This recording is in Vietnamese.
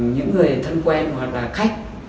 những người thân quen hoặc là khách